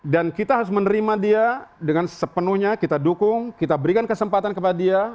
dan kita harus menerima dia dengan sepenuhnya kita dukung kita berikan kesempatan kepada dia